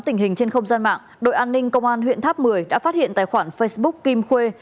tình hình trên không gian mạng đội an ninh công an huyện tháp một mươi đã phát hiện tài khoản facebook kim khuê